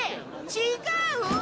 違う！